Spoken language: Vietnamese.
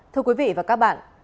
thưa quý vị và các bạn